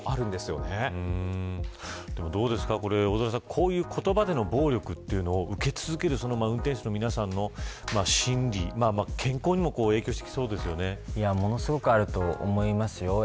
こういう言葉での暴力というのを受け続ける運転手の皆さんの心理健康にもものすごくあると思います。